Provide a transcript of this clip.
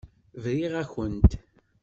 Briɣ-akent.